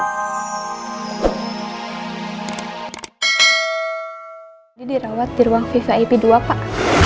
jadi dirawat di ruang viva ip dua pak